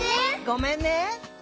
「ごめんね」